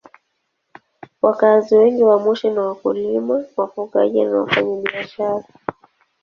Wakazi wengi wa Moshi ni wakulima, wafugaji na wafanyabiashara.